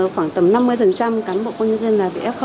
khoảng tầm năm mươi cán bộ công nhân viên là bị f